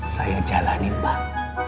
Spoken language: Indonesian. saya jalanin pak